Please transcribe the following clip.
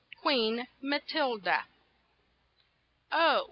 QUEEN MATILDA. OH!